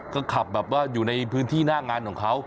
ก็ขับแบบว่าอยู่ในพื้นที่หน้างานของเขา